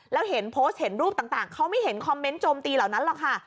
แล้วเห็นโพสต์เห็นรูปต่างเขาไม่เห็นคอมเมนต์โจมตีเหล่านั้นหรอกค่ะ